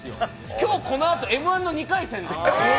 今日、このあと「Ｍ−１」の２回戦。